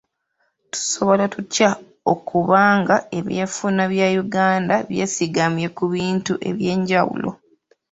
Tusobola tutya okuba nga ebyenfuna bya Uganda byesigambye ku bintu eby'enjawulo?